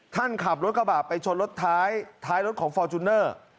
ขับรถกระบะไปชนรถท้ายรถของฟอร์จูเนอร์